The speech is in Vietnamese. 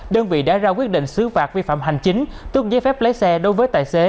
đơn vị đã ra quyết định xứ phạt vi phạm hành chính tức giấy phép lái xe đối với tài xế